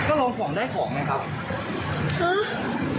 ก็ลองของได้ของไงครับ